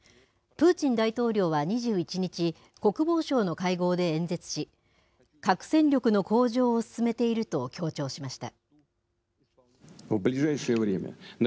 プーチン大統領は２１日、国防省の会合で演説し、核戦力の向上を進めていると強調しました。